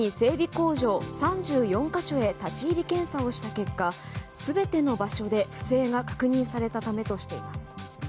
工場３４か所へ立ち入り検査をした結果全ての場所で不正が確認されたためとしています。